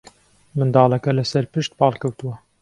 منداڵەکە لەسەرپشت پاڵکەوتووە